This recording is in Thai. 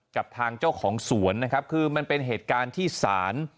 กับทางเจ้าของสวนนะครับคือมันเป็นเหตุการณ์ที่ศาล